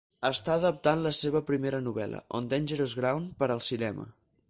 Està adaptant la seva primera novel·la, "On Dangerous Ground", per al cinema.